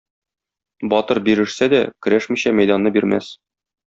Батыр бирешсә дә, көрәшмичә мәйданны бирмәс.